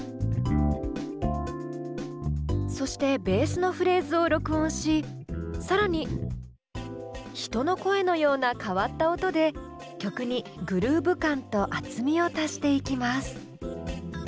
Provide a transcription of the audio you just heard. そしてベースのフレーズを録音し更に人の声のような変わった音で曲にグルーヴ感と厚みを足していきます。